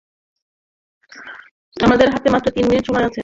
আমাদের হাতে মাত্র তিন মিনিট সময় আছে এটা ড্রপ করার!